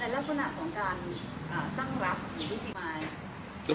แล้วลักษณะของการตั้งรับหรือวิทยาลัย